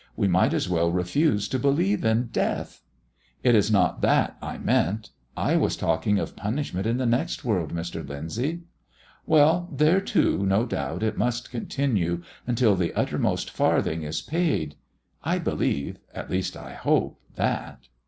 We might as well refuse to believe in death." "It is not that I meant! I was talking of punishment in the next world, Mr. Lyndsay." "Well, there, too, no doubt it must continue, until the uttermost farthing is paid. I believe at least I hope that."